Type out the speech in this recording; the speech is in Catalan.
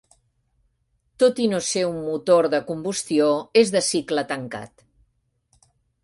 Tot i no ser un motor de combustió, és de cicle tancat.